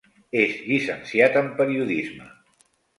És llicenciat en Periodisme.